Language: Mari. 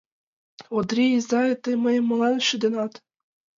Ондрий изай, тый мыйым молан шӱденат?